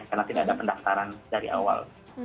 karena tidak ada pendaftaran dari awal